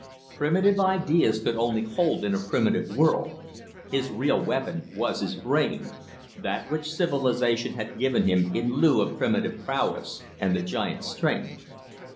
Primitive ideas could only hold in a primitive world. His real weapon was his brain, that which civilisation had given him in lieu of primitive prowess and the giant's strength.